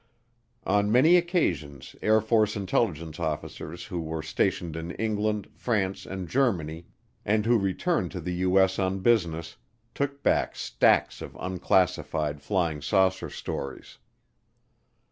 On many occasions Air Force intelligence officers who were stationed in England, France, and Germany, and who returned to the U.S. on business, took back stacks of unclassified flying saucer stories.